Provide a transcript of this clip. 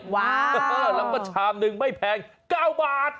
ว้าวแล้วก็ชามหนึ่งไม่แพง๙บาท